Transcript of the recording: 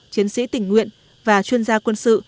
chiến sĩ tình nguyện và chuyên gia quân sự